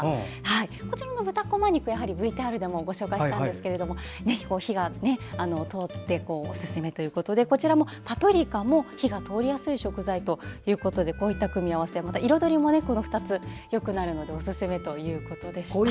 豚こま肉はＶＴＲでもご紹介したんですが火が通っておすすめということでパプリカも火が通りやすい食材ということでこういった組み合わせ彩りも、この２つはよくなるのでおすすめということでした。